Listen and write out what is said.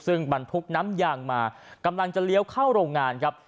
ซึ่งบรรทุกน้ำยางมากำลังจะเลี้ยวเข้าโรงงานครับ